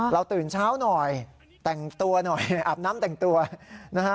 ตื่นเช้าหน่อยแต่งตัวหน่อยอาบน้ำแต่งตัวนะฮะ